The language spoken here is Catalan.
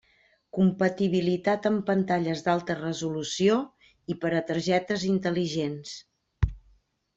Compatibilitat amb pantalles d'alta resolució i per a targetes intel·ligents.